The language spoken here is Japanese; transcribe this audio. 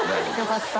よかった。